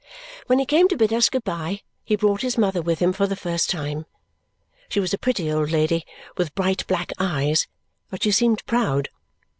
When he came to bid us good bye, he brought his mother with him for the first time. She was a pretty old lady, with bright black eyes, but she seemed proud.